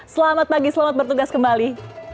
selamat pagi selamat bertugas kembali